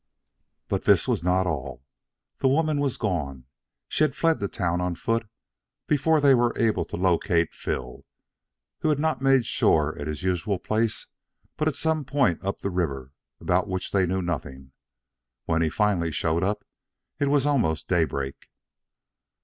But this was not all. The woman was gone. She had fled the town on foot before they were able to locate Phil, who had not made shore at his usual place but at some point up the river about which they knew nothing. When he finally showed up, it was almost daybreak.